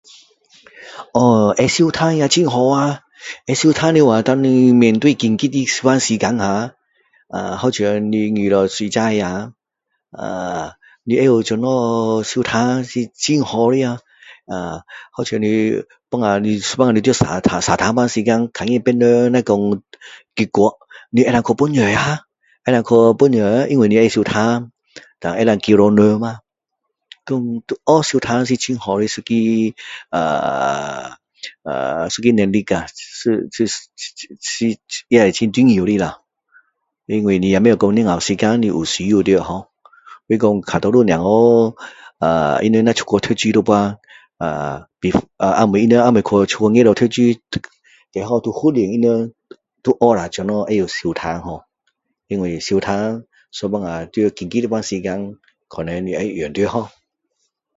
哦會游泳很好啊會游泳當你面對緊急的時候啊啊好像你遇到水災啊你會知道怎樣游泳是很好的呀呃好像你有時候有時候你在沙灘的時候看到別人若是溺水你會你能夠去幫助啊能夠去幫助因為你會遊泳膽能夠救到人啊膽學游泳是一個一個很好的啊一種能力啊是是是也是很重要的因為你不知道幾時需要到所以說有些小孩他們若是出去讀書的時候呃他們若還沒出去讀書的時候最好要訓練他們最好學一下怎樣游泳ho因為游泳有時候在緊急的時候可能你會用到ho